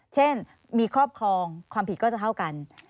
เช่นมีครอบครองความผิดก็จะเท่ากัน